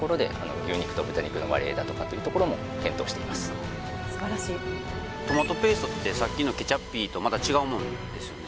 そうですねやはりトマトペーストってさっきのケチャッピーとまた違うもんですよね？